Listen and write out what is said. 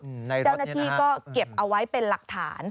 เจ้าหน้าที่ก็เก็บเอาไว้เป็นหลักฐาน